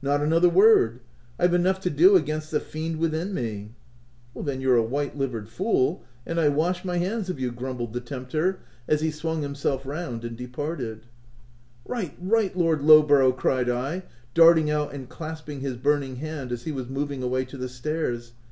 u Not another word ! I've enough to do against the fiend within me." "Then you're a white livered fool, and I wash my hands of you," grumbled the OF WILDFELL HALL,. 15 tempter as he swung himself round and de parted, " Right, right, Lord Lowborough !" cried I, darting out and clasping his burning hand, as he was moving away to the stairs.